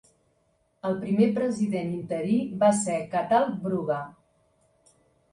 El primer president interí va ser Cathal Brugha.